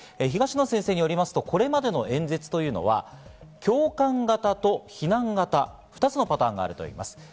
東野先生によりますと、これまでの演説というのは共感型と非難型、２つのパターンがあるといいます。